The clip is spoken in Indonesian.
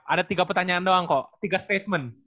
ada tiga pertanyaan doang kok tiga statement